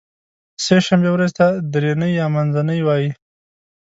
سې شنبې ورځې ته درینۍ یا منځنۍ وایی